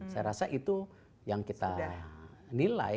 saya rasa itu yang kita nilai